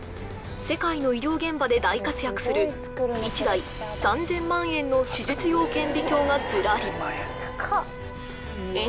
世界の医療現場で大活躍する１台３０００万円の手術用顕微鏡がずらり！